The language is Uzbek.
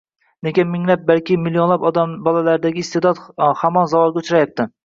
Nega minglab, balki millionlab bolalardagi iste’dodlar hamon zavolga uchrayapti?